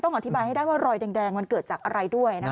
อธิบายให้ได้ว่ารอยแดงมันเกิดจากอะไรด้วยนะคะ